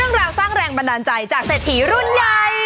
สร้างแรงบันดาลใจจากเศรษฐีรุ่นใหญ่